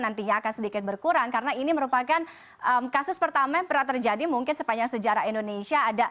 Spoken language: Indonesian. nantinya akan sedikit berkurang karena ini merupakan kasus pertama yang pernah terjadi mungkin sepanjang sejarah indonesia ada